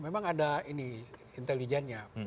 memang ada ini intelijennya